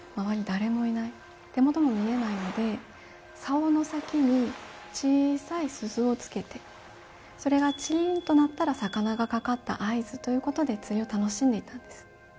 誰もいない、手元も見えないので竿の先に小さい鈴をつけて、それがチリンと鳴ったら魚が掛かった合図ということで釣りを楽しんでいたんです。